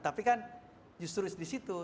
tapi kan justru di situ